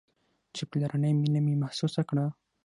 چې پلرنۍ مينه مې محسوسه كړه.